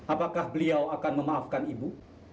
apakah beliau akan memaafkan ibu